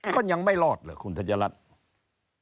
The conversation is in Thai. ก็ยังไม่รอดเหรอคุณธัญรัฐ